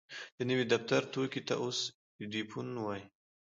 دې نوي دفتري توکي ته اوس ايډيفون وايي.